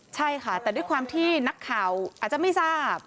ใช่ค่ะแต่ด้วยความที่นักข่าวอาจจะไม่ทราบ